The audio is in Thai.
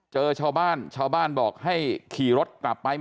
เจอชาวบ้านชาวบ้านบอกให้ขี่รถกลับไป